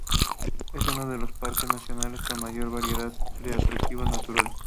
Es uno de los parques nacionales con mayor variedad de atractivos naturales.